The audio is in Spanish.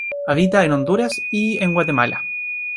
Habita en Honduras y en Guatemala.